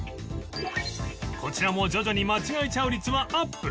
こちらも徐々に間違えちゃう率はアップ